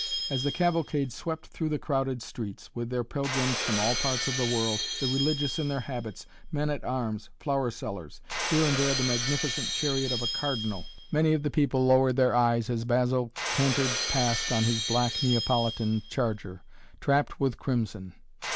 As the cavalcade swept through the crowded streets, with their pilgrims from all parts of the world, the religious in their habits, men at arms, flower sellers, here and there the magnificent chariot of a cardinal, many of the people lowered their eyes as Basil cantered past on his black Neapolitan charger, trapped with crimson.